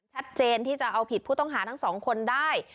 ชัดเจนที่จะเอาผิดผู้ต้องหาทั้งสองคนได้